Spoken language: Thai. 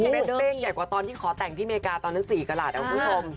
เม็ดเป้งใหญ่กว่าตอนที่ขอแต่งที่อเมริกาตอนนั้น๔กระหลาดนะคุณผู้ชม